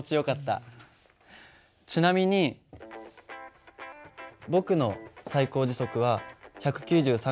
ちなみに僕の最高時速は１９３ｋｍ。